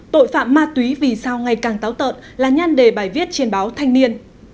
tội phạm ma túy vì sao ngày càng táo tợn là nhan đề bài viết trên báo thanh niên